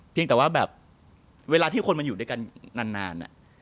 เพียงแต่ว่าแบบเวลาที่คนมันอยู่ด้วยกันนาน